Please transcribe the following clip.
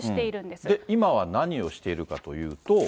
で、今は何をしているかというと。